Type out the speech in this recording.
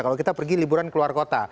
kalau kita pergi liburan keluar kota